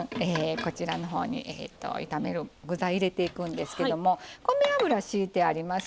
こちらのほうに炒める具材入れていくんですけども米油をひいてあります。